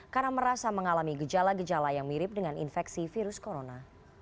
karena merasa mengalami gejala gejala yang mirip dengan infeksi virus corona